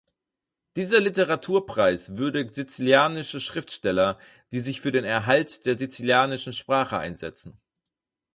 Dieser Literaturpreis würdigt sizilianische Schriftsteller, die sich für den Erhalt der sizilianischen Sprache einsetzen.